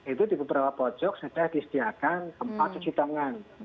itu di beberapa pojok sudah disediakan tempat cuci tangan